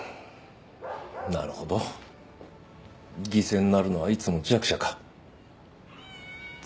なるほど犠牲になるのはいつも弱者か。